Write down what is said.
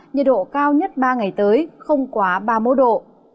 nhiệt độ cao nhất ba ngày tới không quá ba mươi một độ